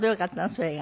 それが。